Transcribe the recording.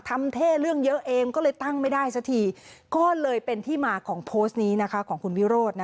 เท่เรื่องเยอะเองก็เลยตั้งไม่ได้สักทีก็เลยเป็นที่มาของโพสต์นี้ของคุณวิโรธ